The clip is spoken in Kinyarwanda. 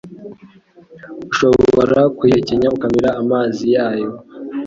Ushobora kuyihekenya ukamira amazi yayo,